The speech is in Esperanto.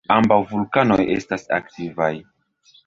Ambaŭ vulkanoj estas aktivaj.